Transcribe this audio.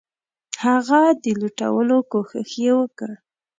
هغه د لوټلو کوښښ یې وکړ.